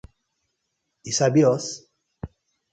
Yu sabi us?